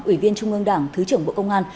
ủy viên trung ương đảng thứ trưởng bộ công an